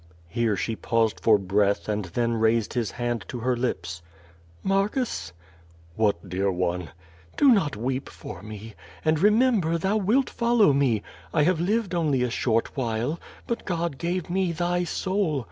Here she paused for breath and then raised his hand to her lips: "Marcus?'^ ^What, dear one?" ^Do not weep for me, and remember, thou wilt follow me. I have lived only a short while, but God gave me thy soul.